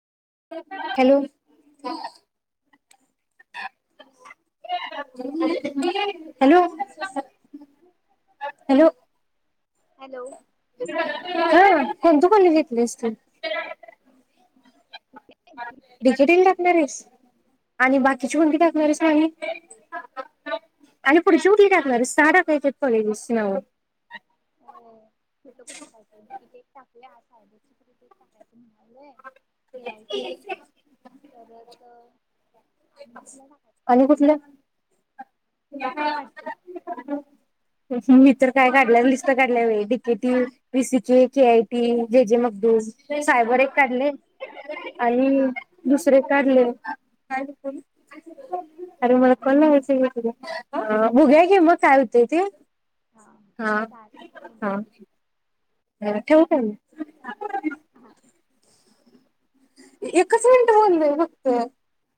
Hello! Hello आवाज येईना? Hello! Hello! हा कोणत कॉलेज घेतलस तू? डिकेटी ला टाकणार आहेस. आणि बाकीची कोणती टाकणारच आणि आणि पुढची कुठली टाकणार आहेस, सहा टाकायची [unintelligible] दिस नाव हो.. यच तिकीटेक आ साहेबची तिकीटेक म्हणालं [unintelligible] [unintelligible] ऐ आय टी परत. आणि कुठला टाकायचा. आणि कुठलं तुला काय वाटतंय? मी तर काय काढल्यावर लिस्ट काढल्या व डीकेटी, बीसी के, केआयटी, जे जे मगदूम, सायबर एक काढले आणि हा दुसरे एक काढले, अरे मला हा कल [unintelligible] तुला बघुया घे मग काय होते ते, हा चालेल. अ ठेवु काय मग. एकच मिनिटं बोलंय फक्त-